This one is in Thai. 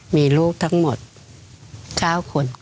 มีลูกทั้งหมด๙คน